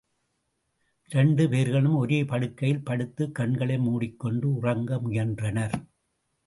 இரண்டு பேர்களும் ஒரே படுக்கையில் படுத்துக் கண்களை மூடிக்கொண்டு உறங்க முயன்றனர்.